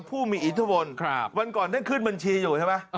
ผู้มีอิทธิวนศ์ครับวันก่อนได้ขึ้นบัญชีอยู่ใช่ไหมเออ